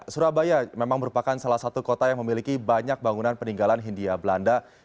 surabaya memang merupakan salah satu kota yang memiliki banyak bangunan peninggalan hindia belanda